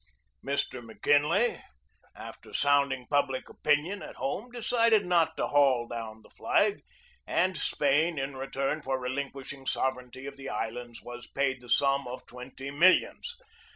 283 284 GEORGE DEWEY Mr. McKinley, after sounding public opinion at home, decided not to haul down the flag, and Spain, in return for relinquishing sovereignty of the islands, was paid the sum of twenty millions.